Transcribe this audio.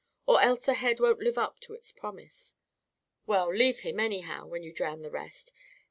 Or else the head won't live up to its promise. Well, leave him, anyhow, when you drown the rest.